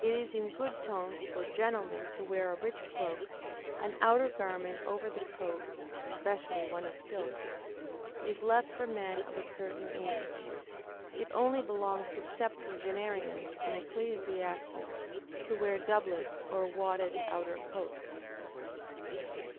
It is in good ton for gentlemen to wear a rich cloak; an outer garment over the coat (especially one of silk,) is left for men of a certain age. It only belongs to septuagenarians and ecclesiastics to wear doublets or wadded outer coats.